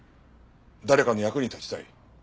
誰かの役に立ちたい。